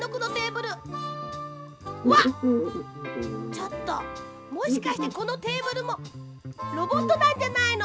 ちょっともしかしてこのテーブルもロボットなんじゃないの！？